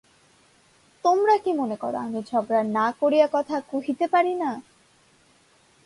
তোমরা কি মনে কর, আমি ঝগড়া না করিয়া কথা কহিতে পারি না?